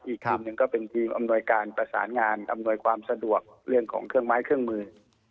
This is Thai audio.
อีกทีมหนึ่งก็เป็นทีมอำนวยการประสานงานอำนวยความสะดวกเรื่องของเครื่องไม้เครื่องมือ